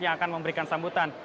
yang akan memberikan sambutan